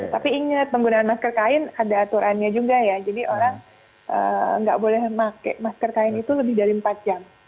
tapi ingat penggunaan masker kain ada aturannya juga ya jadi orang nggak boleh pakai masker kain itu lebih dari empat jam